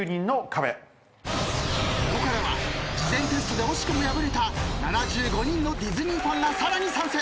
ここからは事前テストで惜しくも敗れた７５人のディズニーファンがさらに参戦。